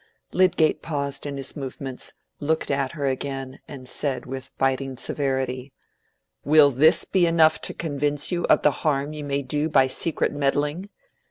Lydgate paused in his movements, looked at her again, and said, with biting severity— "Will this be enough to convince you of the harm you may do by secret meddling?